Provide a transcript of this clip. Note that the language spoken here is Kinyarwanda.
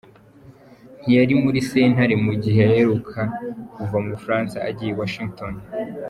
Ntiyari muri sentare mu gihe yaheruka kuva mu Bufaransa agiye i Washington.